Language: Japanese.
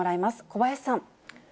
小林さん。